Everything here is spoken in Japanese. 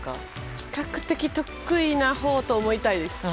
比較的、得意なほうと思いたいです。